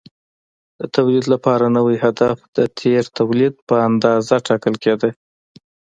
د تولید لپاره نوی هدف د تېر تولید په اندازه ټاکل کېده.